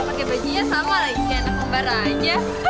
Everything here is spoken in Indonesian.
pake bajunya sama lagi anak pembara aja